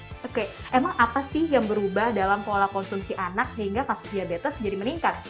oke emang apa sih yang berubah dalam pola konsumsi anak sehingga kasus diabetes jadi meningkat